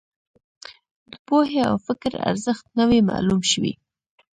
د پوهې او فکر ارزښت نه وي معلوم شوی.